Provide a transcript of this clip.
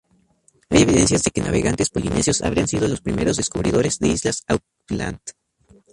Hay evidencias de que navegantes polinesios habrían sido los primeros descubridores de islas Auckland.